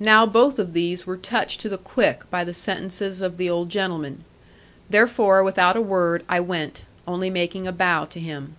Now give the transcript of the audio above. Now both of these were touched to the quick by the sentences of the old gentleman. Therefore, without a word, I went; only making a bow to him.